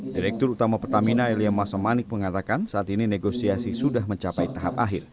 direktur utama pertamina elia masamanik mengatakan saat ini negosiasi sudah mencapai tahap akhir